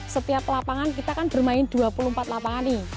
setiap lapangan kita kan bermain dua puluh empat lapangan nih